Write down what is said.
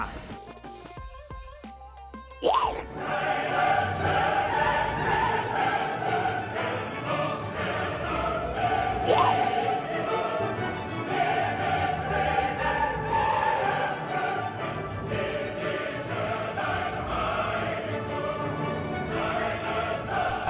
อันนี้พี่ชูรสชาติเลยนะ